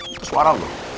ini suara gue